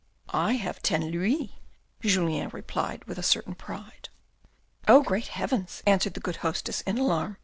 " I have ten louis," Julien replied with certain pride. "Oh, great heavens," answered the good hostess in alarm.